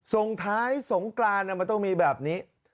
ส่งท้ายสงกรานมันต้องมีแบบนี้